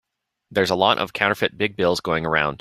There's a lot of counterfeit big bills going around.